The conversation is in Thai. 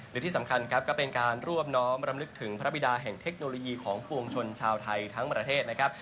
และที่สำคัญครับก็เป็นการรวบน้อมรำลึกถึงพระบิดาแห่งเทคโนโลยีของปวงชนชาวไทยทั้งประเทศนะครับ